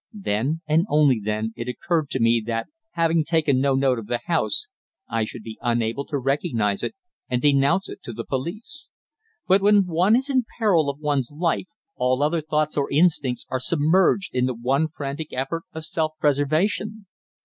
Then, and only then, it occurred to me that, having taken no note of the house, I should be unable to recognise it and denounce it to the police. But when one is in peril of one's life all other thoughts or instincts are submerged in the one frantic effort of self preservation.